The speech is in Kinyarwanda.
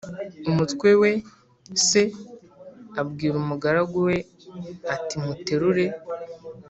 Umutwe we Se abwira umugaragu we ati Muterure